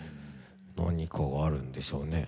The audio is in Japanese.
何かがあるんでしょうね。